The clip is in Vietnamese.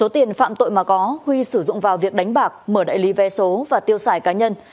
tiền phạm tội mà có huy sử dụng vào việc đánh bạc mở đại lý vé số và tiêu xài cá nhân